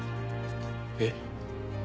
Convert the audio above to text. えっ？